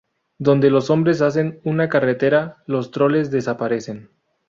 Donde los hombres hacen una carretera, los troles desaparecen.